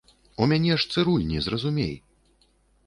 У мяне ж цырульні, зразумей!